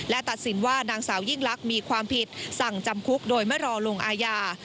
และตัดสินว่านางสาวยิ่งลักษณ์มีความผิดสั่งจำคุกโดยไม่รอลงอาญา